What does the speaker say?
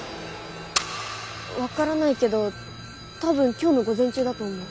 分からないけど多分今日の午前中だと思う。